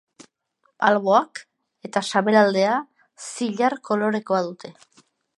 Alboak eta sabelaldea zilar kolorekoa dute.